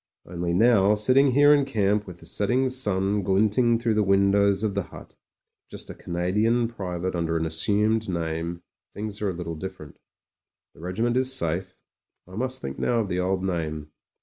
Only now, sitting here in camp with the setting sun glinting through the windows of the hut, just a Ca nadian private under an assumed name, things are a little different The regiment is safe; I must think now of the old name.